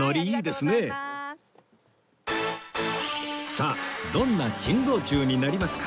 さあどんな珍道中になりますか